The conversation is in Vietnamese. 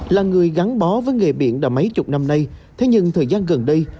là người gắn bó với nghề biển đã mấy chục năm nay thế nhưng thời gian gần đây